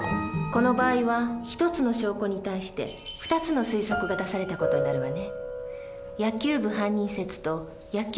この場合は１つの証拠に対して２つの推測が出された事になるわね。